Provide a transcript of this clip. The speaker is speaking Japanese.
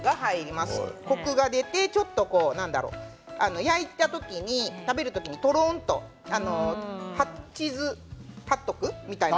コクが出てちょっと焼いた時に食べる時にとろんとチーズホットクみたいな。